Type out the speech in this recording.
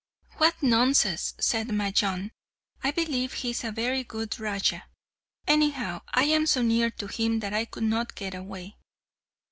"What nonsense," said Majnun. "I believe he is a very good Raja. Anyhow, I am so near to him that I could not get away."